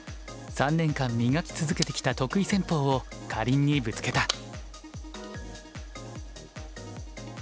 ３年間磨き続けてきた得意戦法をかりんにぶつけた。